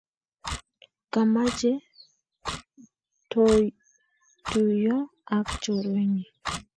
Komache pkotuiyo ak chorwet nyi